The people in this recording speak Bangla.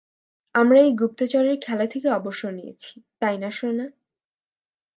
আমরা এই গুপ্তচরের খেলা থেকে অবসর নিয়েছি, তাই না, সোনা?